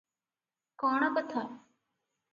କଣ କଥା?